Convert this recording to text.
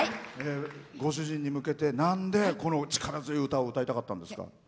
ご主人に向けてなんで、この力強い歌を歌いたかったんですか？